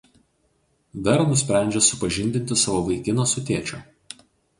Vera nusprendžia supažindinti savo vaikiną su tėčiu.